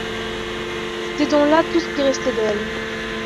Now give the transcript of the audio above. C'était donc là tout ce qui restait d'elle.